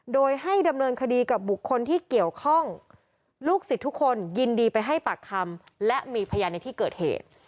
โดยให้ดำเนินคดีกับบุคคลที่เกี่ยวข้องลูกศิษย์ทุกคนยินดีไปให้ปากคำและมีพยานในที่เกิดเหตุ